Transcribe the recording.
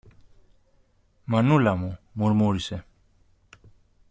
Μανούλα μου. μουρμούρισε.